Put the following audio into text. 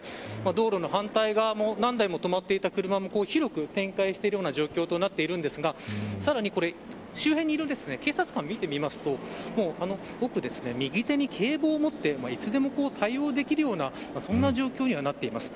道路の反対側も何台も止まっていた車も広く展開している状況となっているんですがさらに周辺にいる警察官を見てみるとあの奥、右手に警棒を持っていつでも対応できるようなそんな状況になっています。